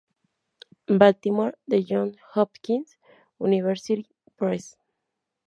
Baltimore: The Johns Hopkins University Press